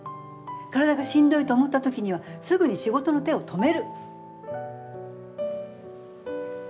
体が、しんどいと思った時にはすぐに仕事の手を止める。